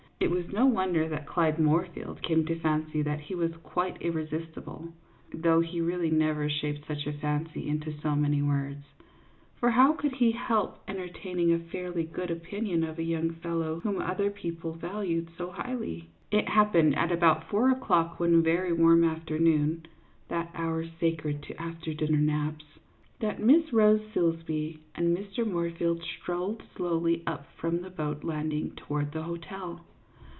It was no wonder that Clyde Moorfield came to fancy that he was quite irresisti ble (though he really never shaped such a fancy into so many words) ; for how could he help enter taining a fairly good opinion of a young fellow whom other people valued so highly ? It happened, at about four o'clock one very warm afternoon (that hour sacred to after dinner naps), that Miss Rose Silsbee and Mr. Moorfield strolled slowly up from the boat landing towards the hotel.